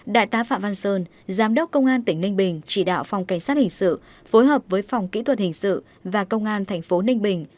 đại tá phạm văn sơn giám đốc công an tỉnh ninh bình chỉ đạo phòng cảnh sát hình sự phối hợp với phòng kỹ thuật hình sự và công an thành phố ninh bình